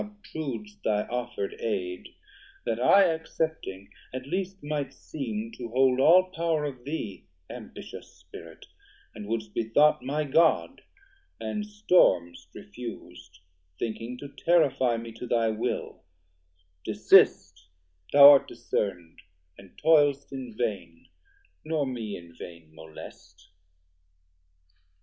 Obtrud'st thy offer'd aid, that I accepting At least might seem to hold all power of thee, Ambitious spirit, and wouldst be thought my God, And storm'st refus'd, thinking to terrifie Mee to thy will; desist, thou art discern'd And toil'st in vain, nor me in vain molest.